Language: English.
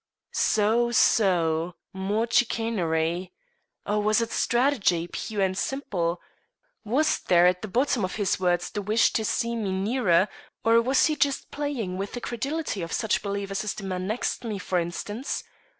So! so! more chicanery. Or was it strategy, pure and simple? Was there at the bottom of his words the wish to see me nearer or was he just playing with the credulity of such believers as the man next me, for instance?